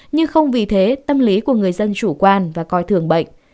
nhưng không vì thế tâm lý của người dân chủ quan và coi thường bệnh